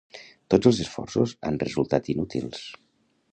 Tots els esforços han resultat inútils.